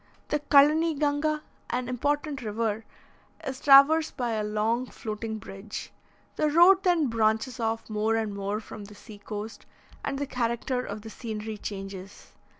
The Calanyganga, an important river, is traversed by a long floating bridge; the road then branches off more and more from the sea coast, and the character of the scenery changes.